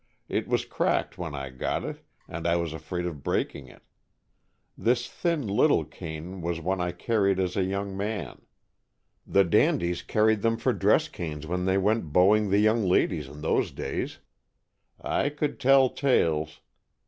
It was cracked when I got it, and I was afraid of breaking it. This thin little cane was one I carried as a young man. The dandies carried them for dress canes when they went beauing the young ladies in those days. I could tell tales